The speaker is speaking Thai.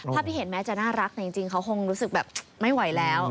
ที่เห็นแม้จะน่ารักแต่จริงเขาคงรู้สึกแบบไม่ไหวแล้ว